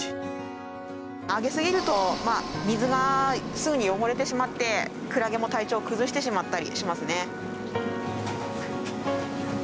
あげすぎると水がすぐに汚れてしまってクラゲも体調を崩してしまったりしますね。